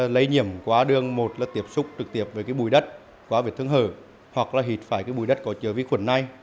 lây nhiễm quá đương một là tiếp xúc trực tiếp với bụi đất quá về thương hờ hoặc là hịt phải bụi đất có chứa ví khuẩn này